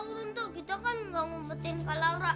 tentu kita kan nggak ngumpetin ke laura